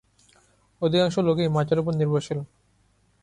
অধিকাংশ লোকই মাঠের ওপর নির্ভরশীল।